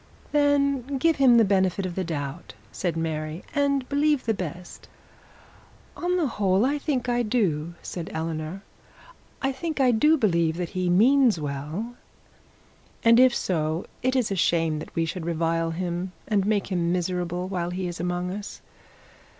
'Then give him the benefit of the doubt,' said Mary, 'and believe the best.' 'On the whole I think I do,' said Eleanor. 'I think I do believe that he means well and if so, it is a shame that we should revile him, and make him miserable while he is among us.